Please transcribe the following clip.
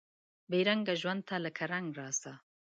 بې رنګه ژوند ته لکه رنګ راسه